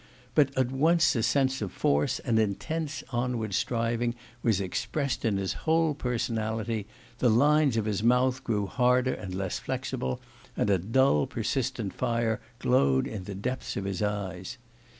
but at once a sense of force and intense onward striving was expressed in his whole personality, the lines of his mouth grew harder and less flexible, and a dull persistent fire glowed in the depths of his eyes.